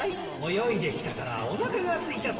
泳いできたからおなかがすいちゃって。